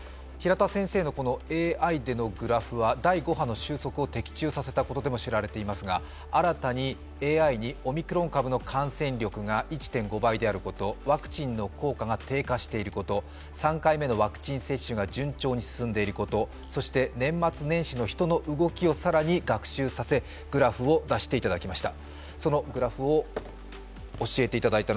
平田先生のＡＩでの予測は第５波を的中させたことでも知られていますが、新たにＡＩにオミクロン株の感染力が１．５倍であることワクチンの効果が低下していること、３回目のワクチン接種が順調に進んでいること、年末年始の人の動きを更に学習させ、グラフを出していただきました。